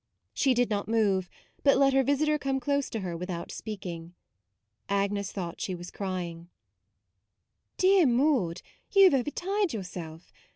She did not move, but let her visitor come close to her without speaking. Agnes thought she was crying. u Dear Maude, you have overtired yourself.